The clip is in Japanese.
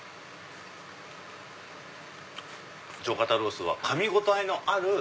上肩ロースはかみ応えのある。